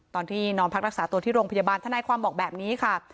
ตอนที่นอนพักรักษาตัวที่โรงพยาบาลทนายความบอกแบบนี้ค่ะ